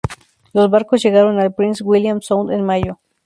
Los barcos llegaron al Prince William Sound en mayo.